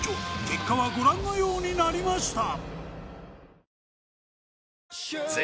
結果はご覧のようになりました。